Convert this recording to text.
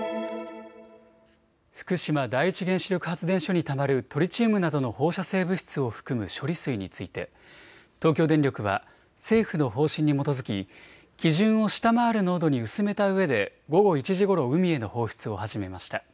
福島第一原子力発電所にたまるトリチウムなどの放射性物質を含む処理水について東京電力は政府の方針に基づき基準を下回る濃度に薄めたうえで午後１時ごろ海への放出を始めました。